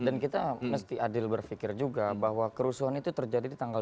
dan kita mesti adil berfikir juga bahwa kerusuhan itu terjadi di tanggal dua puluh empat